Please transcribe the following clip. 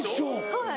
はい。